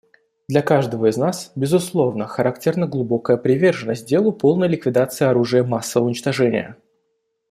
Для каждого из нас, безусловно, характерна глубокая приверженность делу полной ликвидации оружия массового уничтожения.